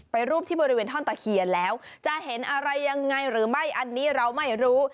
รูปที่บริเวณท่อนตะเคียนแล้วจะเห็นอะไรยังไงหรือไม่อันนี้เราไม่รู้